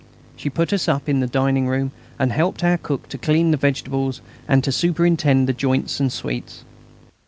She put us up in the dining room, and helped our cook to clean the vegetables and to superintend the joints and sweets.